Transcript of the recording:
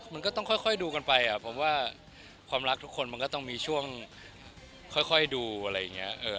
มันก็ต้องค่อยดูกันไปผมว่าความรักทุกคนมันก็ต้องมีช่วงค่อยดูอะไรอย่างนี้